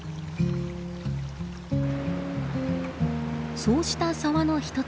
そうした沢の１つ。